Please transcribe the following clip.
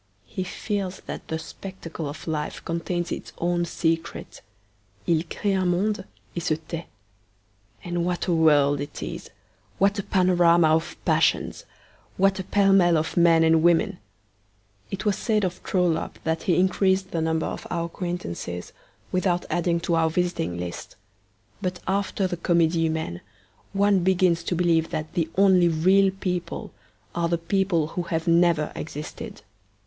He feels that the spectacle of life contains its own secret. 'II cree un monde et se tait.' And what a world it is! What a panorama of passions! What a pell mell of men and women! It was said of Trollope that he increased the number of our acquaintances without adding to our visiting list; but after the Comedie Humaine one begins to believe that the only real people are the people who have never existed.